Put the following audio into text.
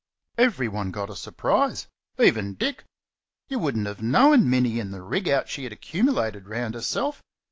Everyone got a surprise even Dick. You wouldn't have known Minnie in the rig out she had accumulated round herself.